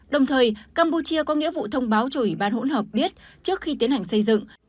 đồng thời campuchia có nghĩa vụ thông báo cho ủy ban hỗn hợp biết trước khi tiến hành xây dựng